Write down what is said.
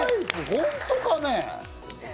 本当かね？